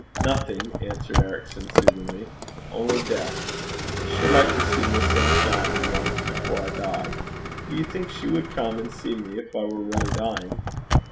'Nothing,' answered Ericson, soothingly, 'only death. I should like to see Miss St. John once before I die. Do you think she would come and see me if I were really dying?'